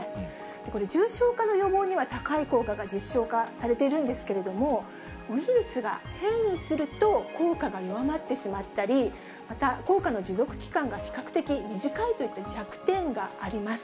これ、重症化の予防には高い効果が実証化されているんですけれども、ウイルスが変異すると効果が弱まってしまったり、また、効果の持続期間が比較的短いといった弱点があります。